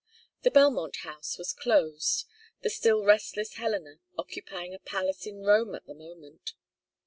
The Belmont house was closed, the still restless Helena occupying a palace in Rome at the moment.